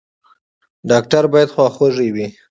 ډاکټر باید خواخوږی وي